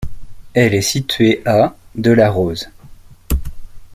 Elle est située à de La Rose.